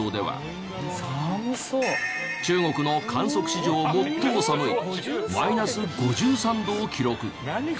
中国の観測史上最も寒いマイナス５３度を記録。